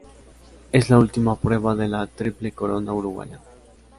Es la última prueba de la Triple Corona uruguaya.